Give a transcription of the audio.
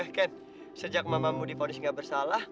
eh kan sejak mamamu diponis gak bersalah